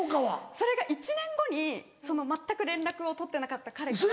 それが１年後にその全く連絡を取ってなかった彼から。